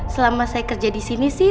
selama saya kerja disini sih